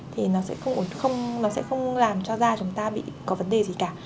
thì nó sẽ không làm cho da chúng ta bị có vấn đề gì cả